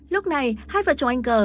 lúc này hai vợ chồng anh g